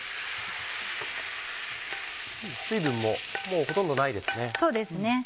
水分ももうほとんどないですね。